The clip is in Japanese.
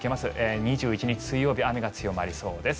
２１日、水曜日雨が強まりそうです。